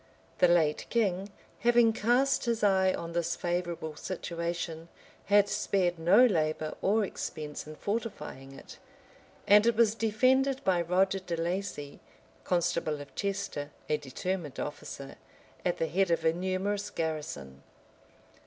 The late king, having cast his eye on this favorable situation, had spared no labor or expense in fortifying it; and it was defended by Roger de Laci, constable of Chester, a determined officer, at the head of a numerous garrison.